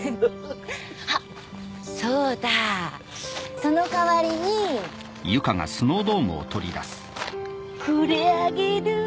あっそうだその代わりにこれあげる！